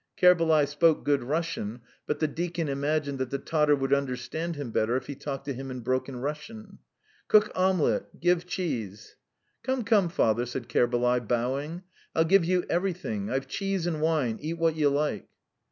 Kerbalay spoke good Russian, but the deacon imagined that the Tatar would understand him better if he talked to him in broken Russian. "Cook omelette, give cheese. ..." "Come, come, father," said Kerbalay, bowing. "I'll give you everything .... I've cheese and wine. ... Eat what you like."